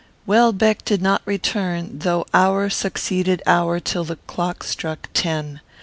Welbeck did not return, though hour succeeded hour till the clock struck ten.